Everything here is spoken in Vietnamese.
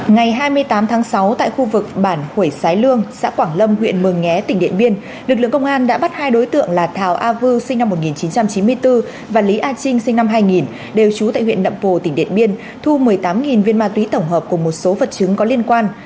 ngày hai mươi tám tháng sáu tại khu vực bản khuổi sái lương xã quảng lâm huyện mường nhé tỉnh điện biên lực lượng công an đã bắt hai đối tượng là thảo a vư sinh năm một nghìn chín trăm chín mươi bốn và lý a trinh sinh năm hai nghìn đều trú tại huyện nậm pồ tỉnh điện biên thu một mươi tám viên ma túy tổng hợp cùng một số vật chứng có liên quan